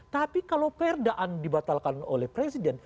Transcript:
tapi kalau perdaan dibatalkan oleh presiden